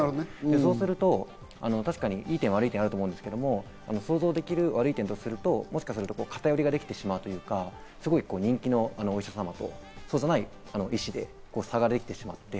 そうすると、確かに良い点と悪い点あると思うんですけど、想像できる悪い点とすると、偏りができてしまうというか、すごく人気のお医者様とそうじゃない医師で差ができてしまって。